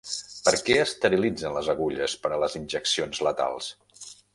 Per què esterilitzen les agulles per a les injeccions letals?